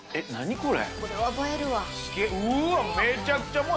これ。